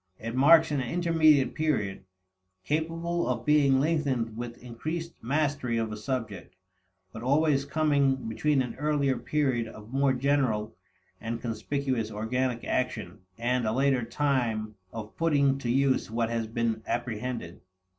It marks an intermediate period, capable of being lengthened with increased mastery of a subject, but always coming between an earlier period of more general and conspicuous organic action and a later time of putting to use what has been apprehended.